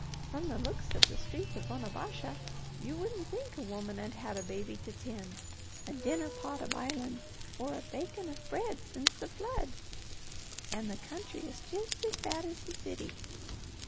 From the looks of the streets of Onabasha, you wouldn't think a woman 'ud had a baby to tend, a dinner pot a bilin', or a bakin' of bread sence the flood. And the country is jest as bad as the city.